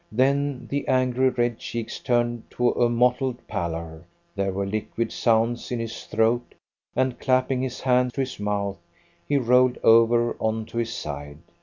Then the angry red cheeks turned to a mottled pallor, there were liquid sounds in his throat, and, clapping his hand to his mouth, he rolled over on to his side.